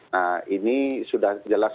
nah ini sudah jelas